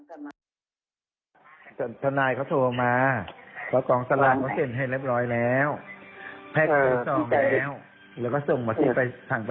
อาจาให้เจ้าขอแฟกใส่ซองเอง